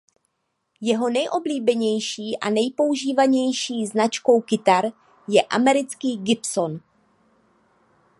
Jeho nejoblíbenější a nejpoužívanější značkou kytar je americký Gibson.